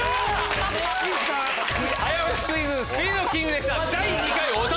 早押しクイズスピードキングでした。